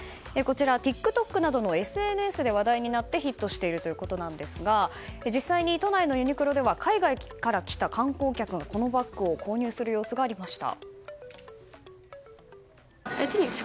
ＴｉｋＴｏｋなどのＳＮＳで話題になってヒットしているということなんですが実際に都内のユニクロでは海外から来た観光客がこのバッグを購入する様子がありました。